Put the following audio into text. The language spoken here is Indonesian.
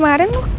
warna merah apaan